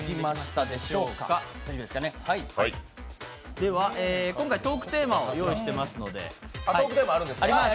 では、今回トークテーマを用意していますので。